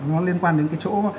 nó liên quan đến cái chỗ